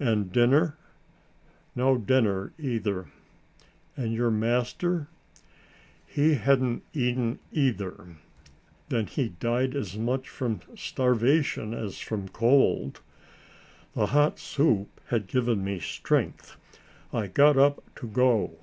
"And dinner?" "No dinner, either." "And your master?" "He hadn't eaten, either." "Then he died as much from starvation as from cold." The hot soup had given me strength. I got up to go.